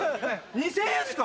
２０００円っすか？